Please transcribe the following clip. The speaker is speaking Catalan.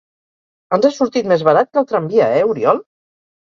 Ens ha sortit més barat que el tramvia, eh Oriol?